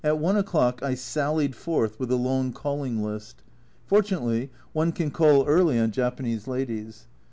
At i o'clock I sallied forth with a long calling list. Fortunately, one can call early on Japanese ladies.